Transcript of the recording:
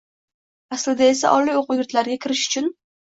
Aslida esa oliy o‘quv yurtlariga kirish uchun